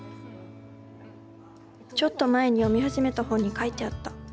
ちょっと前に読み始めた本に書いてあった。